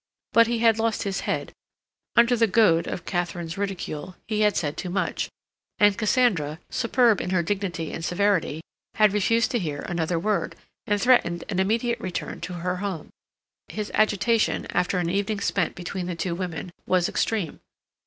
But he had lost his head; under the goad of Katharine's ridicule he had said too much, and Cassandra, superb in her dignity and severity, had refused to hear another word, and threatened an immediate return to her home. His agitation, after an evening spent between the two women, was extreme.